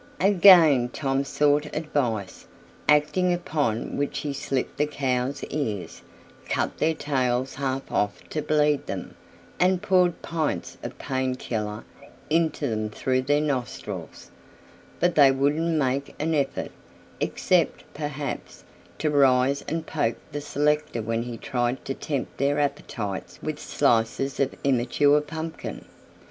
Again Tom sought advice, acting upon which he slit the cows' ears, cut their tails half off to bleed them, and poured pints of "pain killer" into them through their nostrils; but they wouldn't make an effort, except, perhaps, to rise and poke the selector when he tried to tempt their appetites with slices of immature pumpkin.